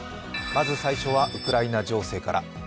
まず最初はウクライナ情勢から。